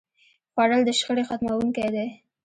خوړل د شخړې ختموونکی دی